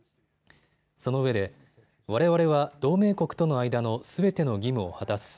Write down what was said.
そのうえでわれわれは同盟国との間のすべての義務を果たす。